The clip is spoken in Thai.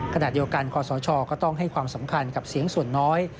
ขณะเดียวกันคอสชก็ต้องให้ความสำคัญกับเสียงส่วนน้อย